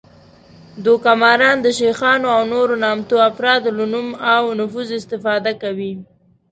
دوکه ماران د شیخانو او نورو نامتو افرادو له نوم او نفوذ استفاده کوي